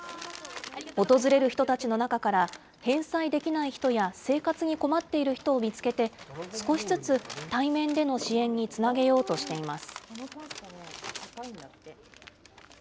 訪れる人たちの中から、返済できない人や生活に困っている人を見つけて少しずつ対面での支援につなげようとしています。